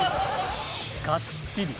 がっちり。